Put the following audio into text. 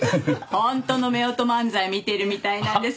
本当の夫婦漫才見てるみたいなんですけど。